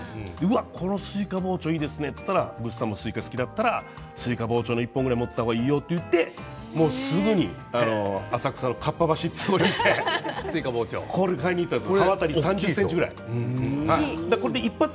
このスイカ包丁いいですねと言ったらスイカ好きだったらスイカ包丁１本ぐらい持っていた方がいいよと言われてすぐに浅草の河童橋というところに行って買いに行ったんです